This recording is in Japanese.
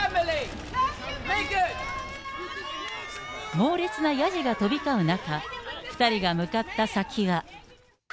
猛烈なやじが飛び交う中、２人が向かった先は。